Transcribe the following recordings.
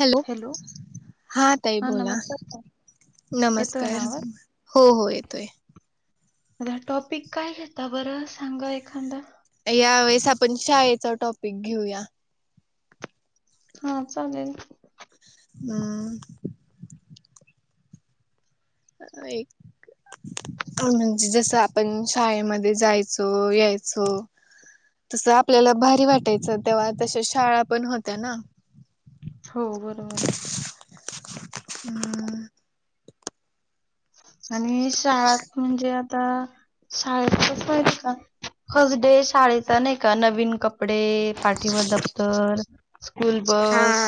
Hello हा तई बोला. नमस्कार ताई. येतोय नमस्कार ना आवाज हो हो येतोय. घा टॉपिक काय घेता बरं सांगा एखादा. यावेेळेस आपण शाळेचा टॉपिक घेऊया. हा, चालेल. हम, एक [unintelligible] म्हणजे जसं आपण शाळेमध्ये जायचो यायचो तसं आपल्याला भारी वाटायचं तेव्हा तशा शाळा पण होत्या ना हो बरोबर आहे हम् आणि शाळात म्हणजे आता शाळेत कसं आहे का फर्स्ट डे शाळेचा नाही का नवीन कपडे पाठीवर दप्तर स्कूल हा बस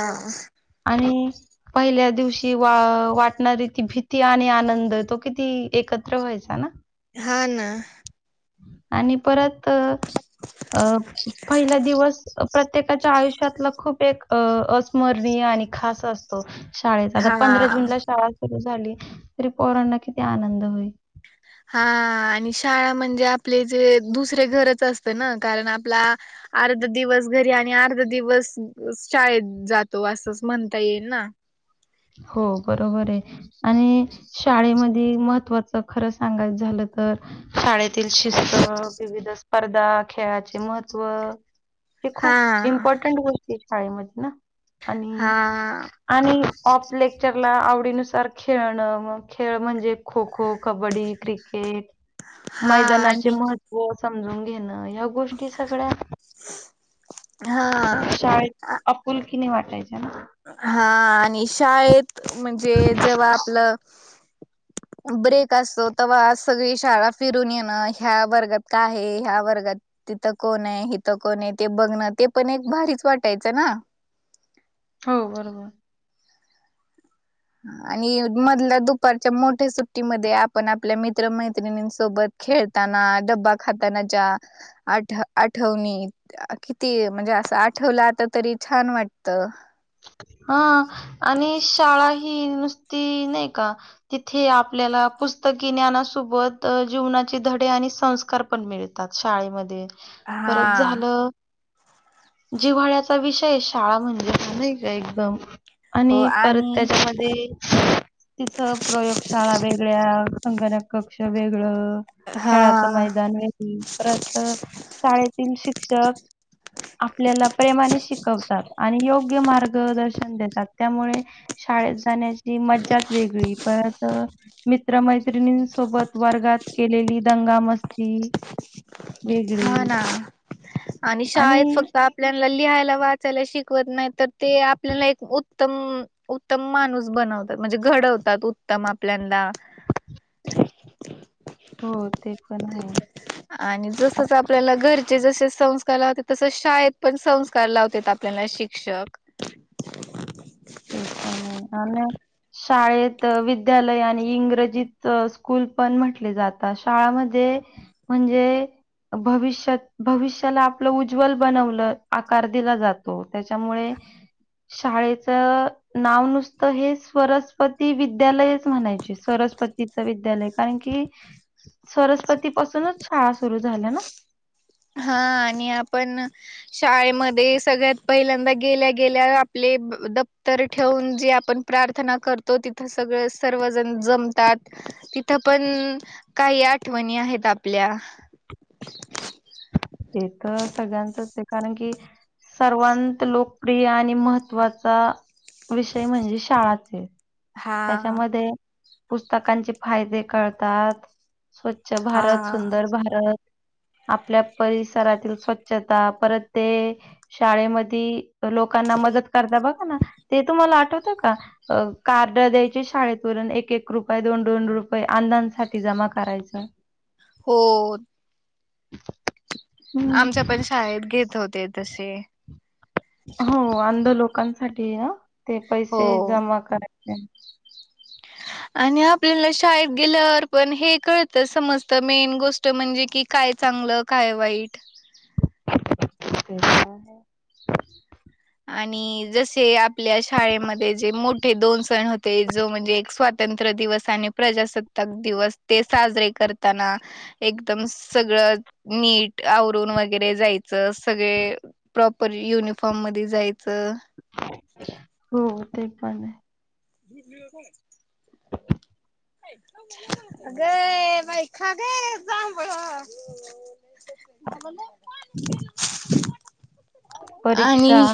आणि पहिल्या दिवशी वा वाटणारी ती भीती आणि आनंद तो किती एकत्र व्हायचा ना हा ना आणि परत अ पहिला दिवस प्रत्येकाच्या आयुष्यातला खूप एक अ अस्म रणीय आणि खास अस तो शाळेचा आता हा पंधरा जून ला शाळा सुरू झाली तरी पोरांना किती आनंद होईल हा आणि शाळा म्हणजे आपले जे दुसरे घरच असते ना कारण आपला अर्धा दिवस घरी आणि अर्धा दिवस शाळेत जातो असंच म्हणता येईल ना हो बरोबर आहे आणि शाळेमध्ये महत्वाचं खरं सांगायचं झालं तर शाळेतील शिस्त विविध स्पर्धा खेळाचे महत्त्व हे खूप हा इम्पॉर्टंट गोष्टी शाळेमध्ये ना आणि हा आणि ऑफ लेक्चरला आवडीनुसार खेळणं मग खेळ म्हणजे खो खो कबड्डी क्रिके केट हा मैदानाचे आणि महत्त्व समजून घेणं या गोष्टी सगळ्या हा शाळेत अपुलकीने वाटायच्या ना हा आणि शाळेत म्हणजे जेव्हा आपलं [inaudible] ब्रेक असतो तवा आत सगळी शाळा फिरून येणं ह्या वर्गात का आहे ह्या वर्गात तिथं कोण आहे हिथं कोण आहे ते बघणं ते पण एक भारीच वाटायचं ना हो बरोबर आणि मधल्या दुपारच्या मोठ्या सुट्टीमध्ये आपण आपल्या मित्रमैत्रिणींसोबत खेळताना डब्बा खाताना च्या आठ आठवणी अ. किती म्हणजे असं आठवलं आता तरी छान वाटत हा आणि शाळा ही नुसती नाही का तिथे आपल्याला पुस्तकी ज्ञानासोबत जीवनाचे धडे आणि संस्कार पण मिळेल त्यात शाळेमध्ये खरच हा झालं जिव्हाळ्याचा विषय शाळा म्हणजे नाही एकदम आणि परत त्याच्या ते तिथं प्रयोगशाळा वेगळ्या संगणक कक्ष वेगळं हा खेळाचं मैदान वेगळी परत शाळेतील शिक्षक आपल्याला प्रेमाने शिकवतात आणि योग्य मार्गदर्शन देतात त्यामुळे शाळेत जाण्याची मज्जाच वेगळी परत मित्रमैत्रिणींसोबत वर्गात केलेली दंगा मस्ती हा ना आणि शाळेत फक्त आप आपल्याला लिहायला वाचायला शिकवत नाही तर ते आपल्याला एक उत्तम उत्तम माणूस बनवतात म्हणजे घडवतात उत्तम आपल्याला हो ते पण आहे आणि जसच आपल्याला घरचे जसे संस्कार लावतेत तसच शाळेत पण संस्कार लावतेत आपल्याला शिक शिक्षक. ते पणे आणि शाळेत विद्यालय आणि इंग्रजीत स्कूल पण म्हटले जात, शाळामध्ये म्हणजे भविष्यात, भविष्याला आपलं उज्ज्वल बनवलं, आकार दिला जातो त्याच्यामुळे शाळेत नाव नुसतं हे स्वरसपती विद्यालयच म्हणायचे, स्वरसपती विद्यालय कारण की सरसपती पासूनच शाळा सुरू झाल्या ना? हा आणि आपण शाळेमध्ये सगळ्यात पहिल्यांदा गेल्या-गेल्या आपले दप्तर ठेवून, जे आपण प्रार्थना करतो तिथं सगळे सर्वजण जमतात. तिथं पण काही आठवणी आहेत आपल्या. हे तर सगळ्यांचच हे कारण की सर्ववंत लोकप्रिय आणि महत्त्वाचा विषय म्हणजे शाळाच हे. हा त्याच्यामध्ये, पुस्तकांचे फायदे कळतात. स्वच्छ हा भारत, सुंदर भारत. आपल्या परिसरातील स्वच्छता, परत ते शाळेमधी लोकांना मदत करता बघा ना, ते तुम्हाला आठवत का? कार द्यायची शाळेत हुन एक -एक रुपय, दोन- दोन रुपये अंधांनसाठी जमा करायचं. हो. [unintelligible] आमच्या पण शाळेत घेत होते तशे. हो अंध लोकांसाठी ना, ते हो पैसे जमा करायचं. आणि आपल्याला शाळेत गेल्यावर पण हे कळत, समजत मेन गोष्ट म्हणजे की काय चांगलं, काय वाईट. [inaudible] आणि जसे आपल्या शाळेमध्ये जे मोठे दोन सण होते, जो म्हणजे एक स्वातं स्वातंत्र दिवस आणि प्रजासत्ताक दिवस ते साजरे करताना. एकदम सगळं नीट, आवरून वगैरे जायचं सगळे प्रॉपर युनिफॉर्म मध्ये जायचं. हो ते पण आहे. [unintelligible] अगे ये बाई, खा गे जांभळ. [inaudible] परीक्षा आणि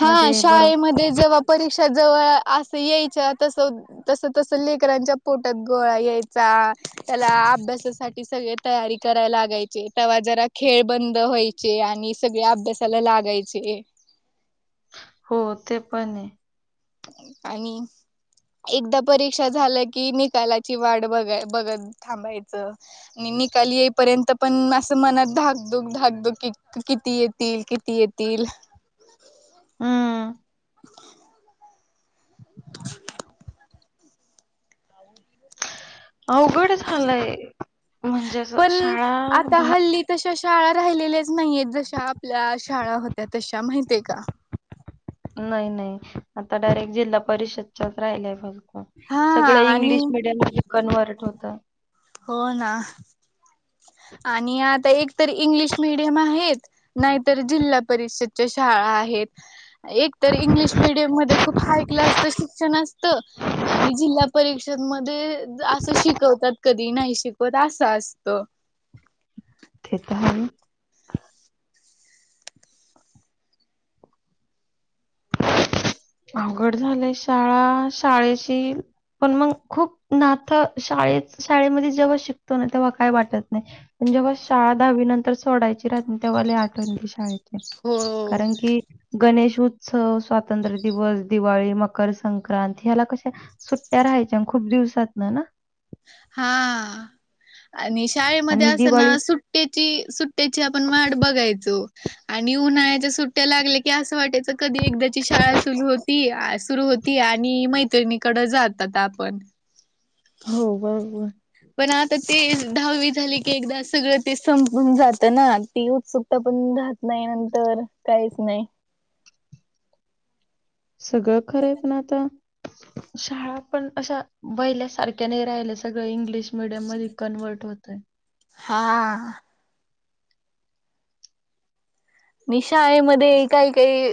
हा मध्ये बरो शाळेमध्ये जवा परीक्षा जवळ असं यायच्या, तस -तस, तसं लेख शांच्या पोटात गोळा यायचा, त्याला अभ्यासासाठी सगळे तयारी करायला लागायचे, तवा जरा खेळ बंद व्हायचे आणि सगळे अभ्यासाला लागायचे. हो ते पण हेय. आणि एकदा परीक्षा झाल्या की निकालाची वाट, बघा- बघत थांबायचं. णी, निकाल येईपर्यंत पण असं मनात धाक-धूक, धाक-धुक किती येतील किती येती तील. हम्म. अवघड झालंय, म्हणजे असं पण शाळा आता भा हल्ली तशा शाळा राहिलेल्याच नाहीयेत जशा आपल्या शाळा होत्या तशा माहितेय का? नाही नाही आता डायरेक्ट जिल्हा परिषदच्याच राहिल्याय फक्त. हा सगळं आणि इंग्लिश मिडियम मध्ये कनवर्ट होतंय. हो ना, आणि आता एकतर इंग्लिश मिडियम आहेत. नाहीतर जिल्हा परिषदच्या शाळा आहेत. एक तर इंग्लिश मीडियम मध्ये खूप हाय क्लास च शिक्षण असतं आणि जिल्हा परिषद मध्ये असं शिकवतात कधी नाही शिकवत आस आसत. तेेेत तर आहे. अवघड झालय शाळा शाळेची पण मग खूप नातं शाळेत शाळेमध्ये जेव्हा शिकतो ना तेव्हा काय वाटत नाही. पण जेव्हा शाळा दहावी नंतर सोडायची राहती न, तेव्हा लई आठवण येते शाळेेची. हो. कारण की गणेश-उत्सव, स्वातंत्र्य- दिवस, दिवाळी, मकर संक्रांत ह्याला कशा सुट्ट्या राहायच्या खूप दिवसातन ना! हा आणि शाळेमध्ये आणि असना दिवाळी सुट- सुट्टयाची सुट्टयाची आपण वाट बघायचो. आणि उन्हाळ्याच्या सुट्टया लागल्या की असं वाटायचं कधी एकदाची शाळा सुरू होती सुरू होती ती आणि मैत्रिणीकड जातात आपण. हो बरोबर. पण आता ते दहावी झाली की एकदा सगळं ते संपून जात ना ती उत्सुक- क्ता पण राहत नाही नंतर काहीच नाही. सगळं खरंय पण आता- शाळा पण अशा पहिल्या सारख्या नाही राहिल्या सगळ इंग्लिश श मिडियम मध्ये कनवर्ट होतय. हा. नी शाळेमध्ये काही काही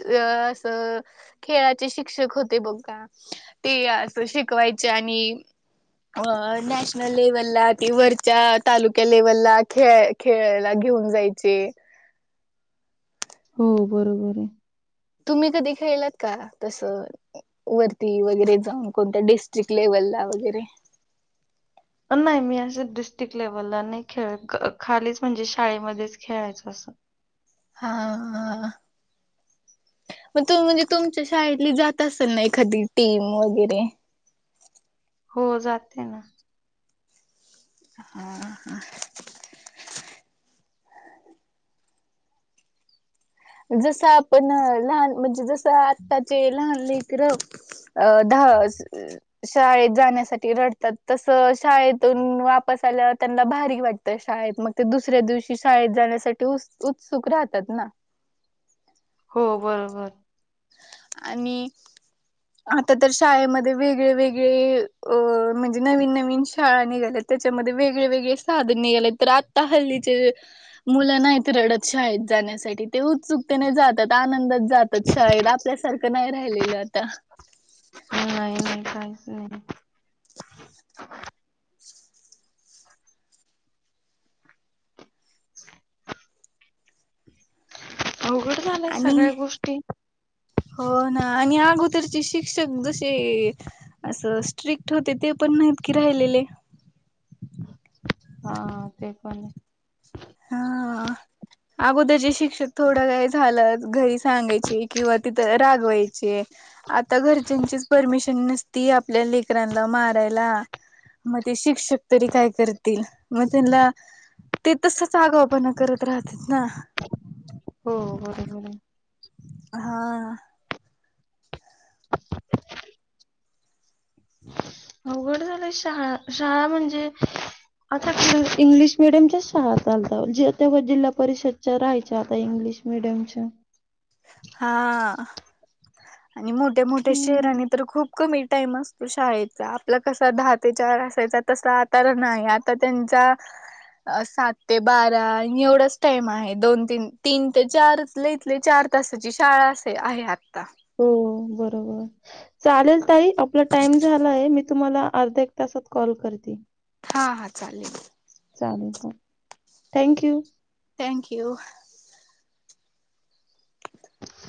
असं खेळाचे शिक्षक होते बघा. ते असं शिकवायचे आणि अ नॅशनल लेव्हलला ते वरच्या तालुक्या लेव्हलला खेळ खेळायला घेऊन जायचे. हो बरोबर आहे. तुम्ही कधी खेळलात का तस? वरती वगैरे जाऊन कोणत्या डिस्ट्रिक लेव्हलला वगैरे? नाही मी असं डिस्ट्रिक्ट लेवलला नाही खेळ खालीच म्हणजे शाळेमध्येच खेळायचं असं. हा हा. मग तु म्हणजे तुमच्या शाळेतली जात असेल ना एखादी टीम वगैरे. हो जाते ना. हा ह. जसं आपण लहान म्हणजे जसं आत्ताचे लहान लेकरं. अ दहा शाळेत जाण्यासाठी रडतात तस शाळेतून वापस आल्यावर त्यांना भारी वाटत. त्या शाळेत मग ते दुसऱ्या दिवशी शाळेत जाण्यासाठी उत्सुक राहतात ना. हो बरोबर! आणि [inaudible] आता तर शाळेमध्ये वेगळे वेगळे अं म्हणजे नवीन नवीन शाळा निघाल्यात. त्याच्यामध्ये वेगळे वेगळे साधने निघालेत, तर आत्ता हल्लीचे- मुलं नाहीत रडत शाळेत जाण्यासाठी, ते उत्सुकतेने जातात, आनंदात जातात. शाळेत. आपल्यासारखं नाही राहिलेलं आता. नाही नाही, काहीच नाही. अवघड झालंय, आणि सगळ्या गोष्टी. हो ना, आणि अगोदरचे शिक्षक जसे- असं स्ट्रिक्ट होते, ते पण नाहीत की राहिलेले. हा, ते पण आहे. हा [unintelligible] अगोदरचे शिक्षक थोडं काय झालं, घरी सांगायचे किंवा तिथं रागवायचे. आता घरच्यांचीच परमिशन नसती, आपल्या लेकरांला मारायला. मग ते शिक्षक तरी काय करतील, मग त्यांना ते तसच आगाऊपणा करत राहतेत ना. हो, बरोबर आहे. हा. झा [unintelligible] शाळा शाळा म्हणजे आता इंग्लिश मिडियमच्याच शाळा चालतात, [unintelligible] जिल्हा परिषदच्या राहायच्या, आता इंग्लिश मिडीयमच्या. हा, आणि मोठ्या मोठ्या हम्म. शहराने तर खूप खूप कमी टाईम असतो शाळेचा. आपला कसा दहा ते चार असायचा, तसा आताला नाही आता त्यांचा सात ते बारा एवढाच टाइम आहे. दोन, तीन, तीन ते चार लईतलई चार तस ज शाळा असे, आहे आत्ता. हो, बरोबर. चालेल ताई. आपला टाइम झालाय, मी तुम्हाला अर्ध्या, एक तासात कॉल करते. हा हा, चालेल. चालेल हा, थँक यू. Thank you. [unintelligible]